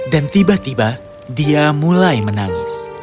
dan tiba tiba dia mulai menangis